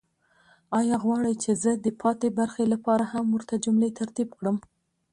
آیا غواړئ چې زه د پاتې برخې لپاره هم ورته جملې ترتیب کړم؟